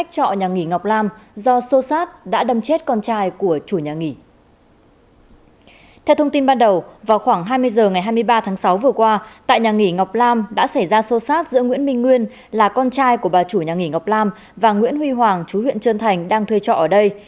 tại nhà nghỉ ngọc lam đã xảy ra sâu sát giữa nguyễn minh nguyên là con trai của bà chủ nhà nghỉ ngọc lam và nguyễn huy hoàng chú huyện trân thành đang thuê trọ ở đây